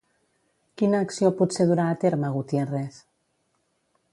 Quina acció potser durà a terme Gutiérrez?